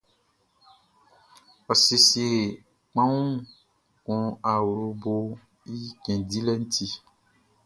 Ɔ siesie kpanwun kun awloboʼn i cɛn dilɛʼn i ti.